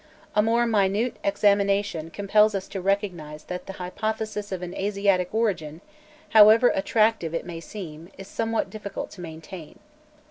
A more minute examination compels us to recognize that the hypothesis of an Asiatic origin, however attractive it may seem, is somewhat difficult to maintain.